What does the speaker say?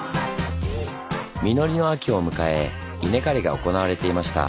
実りの秋を迎え稲刈りが行われていました。